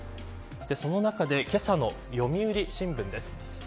その中で、けさの読売新聞です。